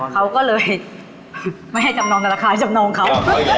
เค้าก็เลยไม่ให้จำนองธนาคารมนองเค้า